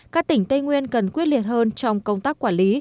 các tỉnh tây nguyên cần quyết liệt hơn trong công tác quản lý